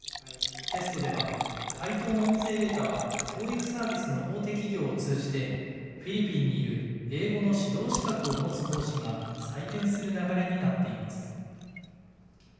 テストでは解答の音声データは教育サービスの大手企業を通じてフィリピンにいる英語の指導資格を持つ講師が採点する流れになっています。